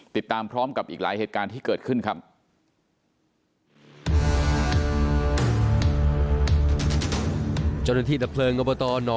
ติดตามพร้อมกับอีกหลายเหตุการณ์ที่เกิดขึ้นครับ